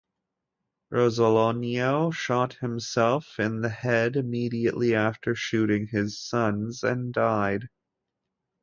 Rosolino shot himself in the head immediately after shooting his sons and died.